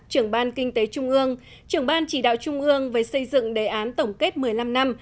trưởng ban kinh tế trung ương trưởng ban chỉ đạo trung ương về xây dựng đề án tổng kết một mươi năm năm